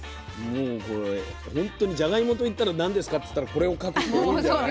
もうこれほんとにじゃがいもといったら何ですかっつったらこれを描く人多いんじゃない？